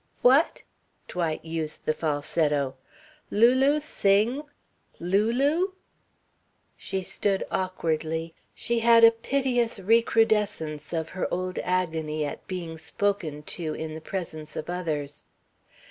"What?" Dwight used the falsetto. "Lulu sing? Lulu?" She stood awkwardly. She had a piteous recrudescence of her old agony at being spoken to in the presence of others.